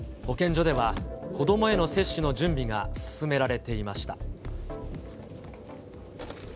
保健所では、子どもへの接種の準備が進められていました。